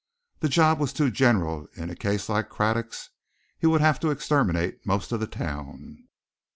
The job was too general in a case like Craddock's. He would have to exterminate most of the town.